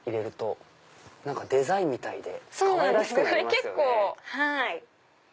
結構。